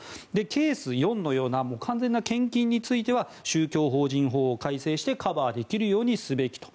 ケース４のような完全な献金については宗教法人法を改正してカバーできるようにすべきと。